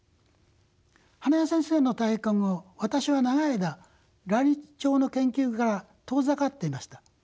羽田先生の退官後私は長い間ライチョウの研究から遠ざかっていました。